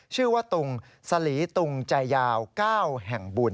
ชื่อว่าตรงสรีตรงใจยาวก้าวแห่งบุล